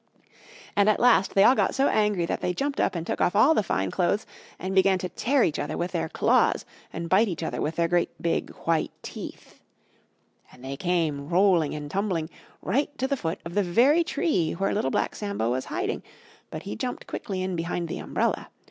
And at last they all got so angry that they jumped up and took off all the fine clothes and began to tear each other with their claws and bite each other with their great big white teeth. And they came, rolling and tumbling, right to the foot of the very tree where Little Black Sambo was hiding, but he jumped quickly in behind the umbrella.